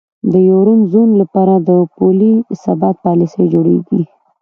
د یورو زون لپاره د پولي ثبات پالیسۍ جوړیږي.